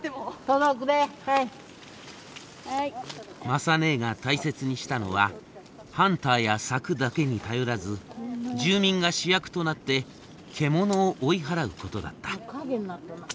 雅ねえが大切にしたのはハンターや柵だけに頼らず住民が主役となって獣を追い払うことだった。